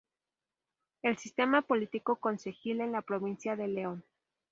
El sistema político concejil en la provincia de Leon.